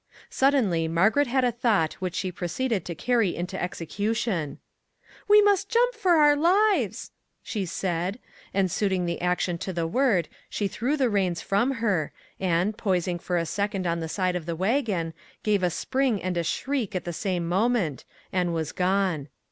Suddenly Mar garet had a thought which she proceeded to carry into execution: " We must jump for our lives !" she Said, and, suiting the action to the word, she threw the reins from her, and, poising for a second on the side of the wagon, gave a spring and a shriek at the same moment, and was gone.